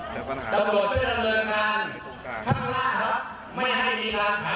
ถ้าไม่มีอำนาจไม่มีอำนาจมันมีสินวิจัตราย